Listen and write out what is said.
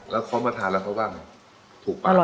แล้วเขามาทานแล้วเขาบ้างถูกปลาไหม